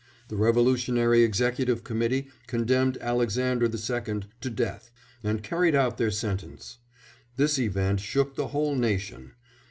The Revolutionary Executive Committee condemned Alexander II to death, and carried out their sentence. This event shook the whole nation.